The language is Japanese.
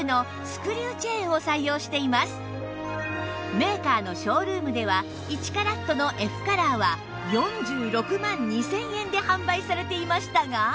メーカーのショールームでは１カラットの Ｆ カラーは４６万２０００円で販売されていましたが